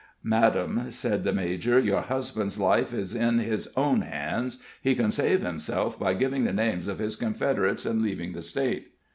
"Madam," said the major, "your husband's life is in his own hands. He can save himself by giving the names of his confederates and leaving the State."